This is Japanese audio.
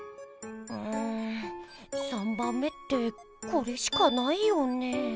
うん３ばんめってこれしかないよねぇ？